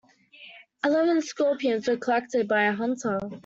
Eleven scorpions were collected by a hunter.